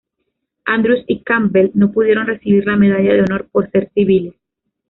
Andrews y Campbell no pudieron recibir la medalla de honor por ser civiles.